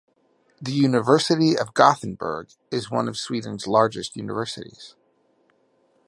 The University of Gothenburg is one of Sweden's largest universities.